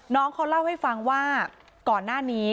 น้องเขาเล่าให้ฟังว่าก่อนหน้านี้